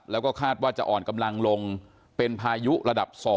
แล้วก็คาดว่าจะอ่อนกำลังลงเป็นพายุระดับ๒